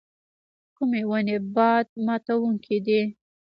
کومې ونې باد ماتوونکي دي؟